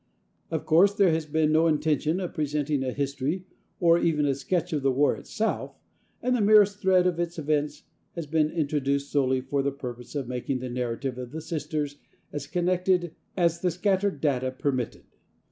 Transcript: Of course, there has been no intention of presenting a history, or even a sketch, of the war itself and the merest thread of its events has been introduced solely for the purpose of making the narrative of the Sisters as connected as the scattered data permitted.